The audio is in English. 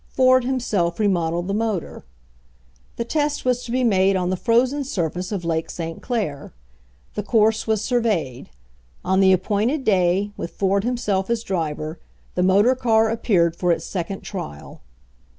Ford himself remodeled the mo tor. The test was to be made on the frozen surface of Lake St. Clair. The course was surveyed. On the appointed day, with Ford himself as driver, the motor car appeared for its second trial.